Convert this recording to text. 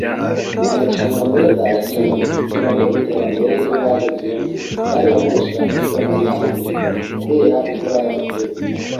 Amarushanwa meza arakenewe kugirango iterambere ryinganda ryiyongere. Gari ya moshi yafashwe amasaha abiri kubera imvura y'amahindu.